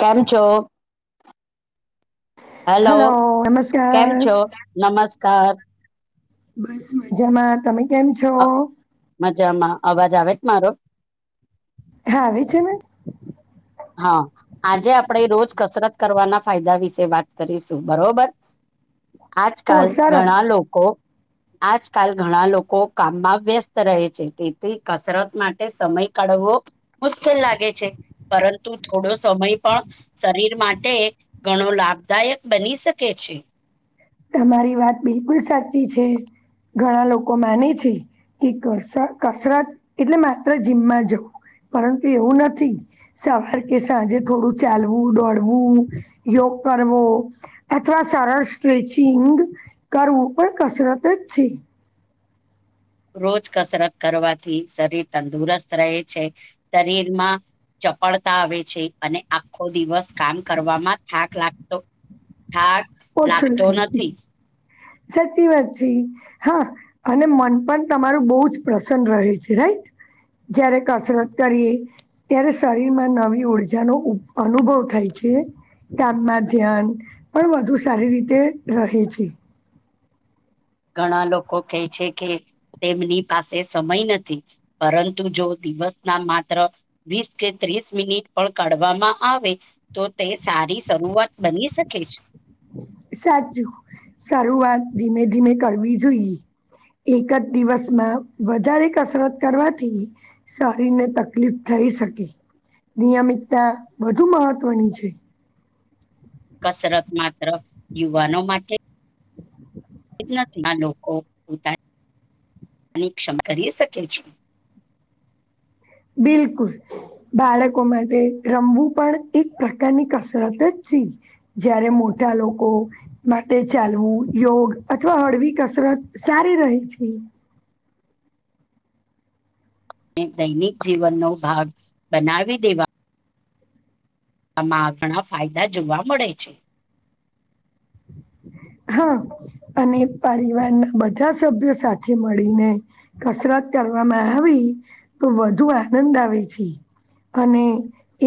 કેમ છો હેલો કેમ છો નમસ્કાર બસ મજામાં તમે કેમ છો અ, મજામાં અવાજ આવે જ મારો હા આવી છે મે હા આજે આપણેે રોજ કસરત કરવાના ફાયદા વિશે વાત કરીશું બરોબર ઓ આજકાલ સરસ ઘણા લોકો આજકાલ ઘણા લોકો કામમાં વ્યસ્ત રહે છે તેથી કસરત માટે સમય કાઢવો મુશ્કેલ લાગે છે પરંતુ થોડો સમય પણ શરીર માટે ઘણો લાભદાયક બની શકે છે તમારી વાત બિલકુલ સાચી છે ઘણા લોકો માને છે કે કસરત એટલે માત્ર જીમમાં જવું પરંતુ એવું નથી સવાર કે સાંજે થોડું ચાલવું દોડવું યોગ કરવો અથવા સરળ સ્ટ્રેચિંગ કરવું પણ કસરત જ છે રોજ કસરત કરવાથી શરીર તંદુરસ્ત રહે છે શરીરમાં. ચપળતા આવે છે અને આખો દિવસ કામ કરવામાં થાક લાગતો. થાક ઓછું લાગતો લાગે છે નથી સાચી વાત છે હા અને મન પણ તમારું બહુ જ પ્રસન્ન રહે છે રાઈટ જયારે કસરત કરીએ ત્યારે શરીરમાં નવી ઉર્જાનો અનુભવ થાય છે. કામમાં ધ્યાન પણ વધુ સારી રીતે ઘણા લોકો કહે છે કે તેમની પાસે સમય નથી પરંતુ જો દિવસ ના માત્ર વીસ કે ત્રીસ મિનિટ પણ કાઢવામાં આવે તો તે સારી શરૂઆત બની શકે છે સાચું શરૂઆત ધીમે ધીમે કરવી જોઈએ એક જ દિવસમાં વધારે કસરત કરવાથી શરીર ને તકલીફ થઈ શકે, નિયમિતતા વધુ મહત્વની છે. કસરત માત્ર યુવાનો માટે જ નથી આ લોકો પોતાની પરીક્ષમ કરી શકે છે. બિલકુલ. બાળકો માટે રમવું પણ એક પ્રકારની કસરત જ છે. જયારે મોટા લોકો માટે ચાલવું, યોગ અથવા હળવી કસરત સારી રહે છે. દૈનિક જીવનનો ભાગ બનાવી દેવા આમાં ઘણા ફાયદા જોવા મળે છે. હા અને પરિવારના બધા સભ્યો સાથે મળીને કસરત કરવામાં આવી તો વધુ આનંદ આવે છે. અને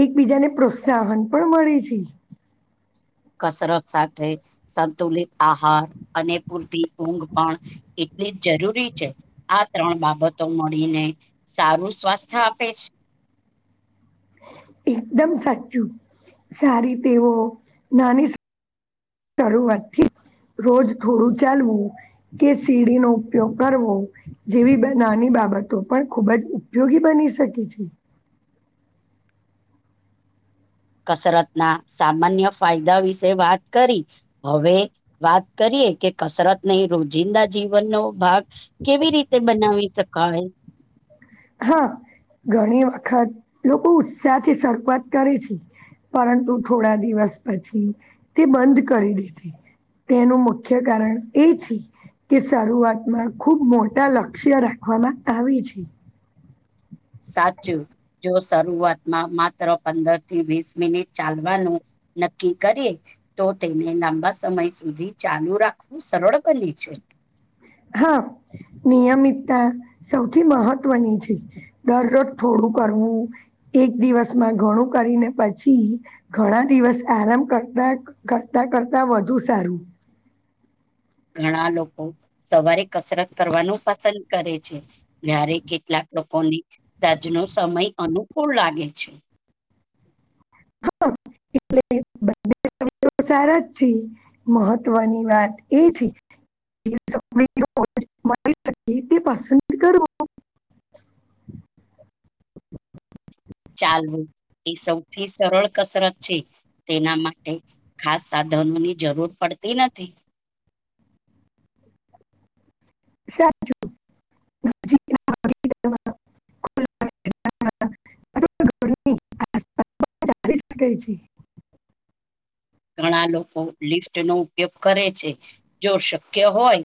એકબીજાને પ્રોત્સાહન પણ મળે છે. કસરત સાથે સંતુલિત આહાર અને પૂરતી ઊંઘ પણ એટલી જ જરૂરી છે. આ ત્રણ બાબતો મળીને સારું સ્વાસ્થ્ય આપે છે. એકદમ સાચું સારી ટેવો નાની શરૂઆતથી રોજ થોડું ચાલવું. કે સીડી નો ઉપયોગ કરવો. જેવી નાની બાબતો પણ ખૂબ જ ઉપયોગી બની શકે છે. કસરતના સામાન્ય ફાયદા વિશે વાત કરી હવે વાત કરીએ કે કસરત ને રોજિંદા જીવનનો ભાગ કેવી રીતે બનાવી શકાય? હા ઘણી વખત લોકો ઉત્સાહ થી શરૂઆત કરે છે. પરંતુ થોડા દિવસ પછી તે બંધ કરી દે છે. તેનું મુખ્ય કારણ એ છે કે શરૂઆતમાં ખુબ મોટા લક્ષ્ય રાખવામાં આવે છે. સાચું. જો શરૂઆતમાં માત્ર પંદર થી વીસ મિનિટ ચાલવાનું નક્કી કરીએ. તો તેને લાંબા સમય સુધી ચાલુ રાખવું સરળ બને છે. હા નિયમિતતા સૌથી મહત્વની છે. દરરોજ થોડું કરવું એક દિવસમાં ઘણું કરીને પછી ઘણા દિવસ આરામ કરતા કરતા કરતા વધુ સારું. ઘણા લોકો સવારે કસરત કરવાનું પસંદ કરે છે. જ્યારે કેટલાક લોકોને સાંજ નો સમય અનુકૂળ લાગે છે. હા એટલે બધે સારા જ છે મહત્વની વાત એ છે [inaudible] ચાલવું એ સૌથી સરળ કસરત છે. તેના માટે ખાસ સાધનોની જરૂર પડતી નથી. સાચું. જી અથવા ઘરની કરી શકે છે. ઘણા લોકો લિફ્ટ નો ઉપયોગ કરે છે, જો શક્ય હોય